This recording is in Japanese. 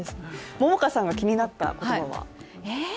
桃花さんが気になった言葉は？